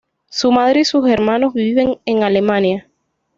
Su madre y sus hermanos viven en Alemania.